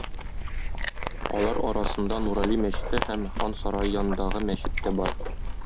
Алар арасында Нурали мәчете һәм Хан сарае янындагы мәчет тә бар.